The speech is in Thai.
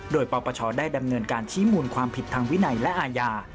โดยปปชได้ดำเนินการชี้มูลความผิดทางวินัยและอาญา